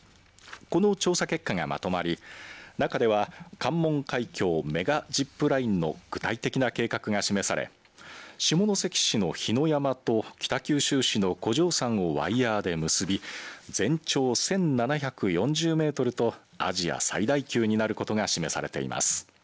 この調査結果がまとまり中では関門海峡メガジップラインの具体的な計画が示され、下関市の火の山と北九州市の古城山をワイヤーで結び全長１７４０メートルとアジア最大級になることが示されています。